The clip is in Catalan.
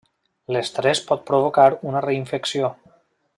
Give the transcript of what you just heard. L’estrés pot provocar una reinfecció.